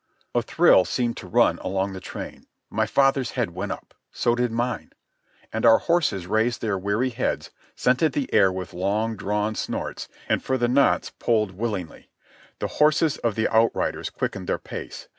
A thrill seemed to run along the train. My father's head went up. So did mine. And our horses raised their weary heads, scented the air with long drawn snorts, and for the nonce pulled willingly. The horses of the outriders quickened their pace.